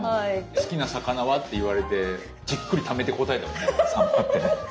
「好きな魚は？」って言われてじっくりためて答えたもんねサンマってね。